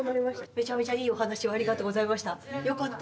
めちゃめちゃいいお話をありがとうございました。